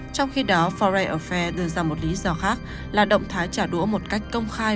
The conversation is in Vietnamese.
trong khi đó foray affair đưa ra một lý do khác là động thái trả đũa một cách công khai